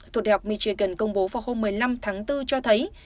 thuộc đại học michigan công bố vào hôm một mươi năm tháng bốn cho thấy